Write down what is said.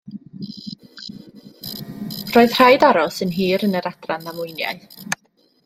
Roedd rhaid aros yn hir yn yr Adran Ddamweiniau.